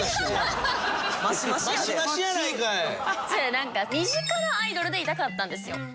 なんか身近なアイドルでいたかったんですよ。